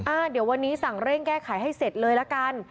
อ่ะเดี๋ยววันนี้สั่งเร่งแก้ไขให้เสร็จเลยละกัน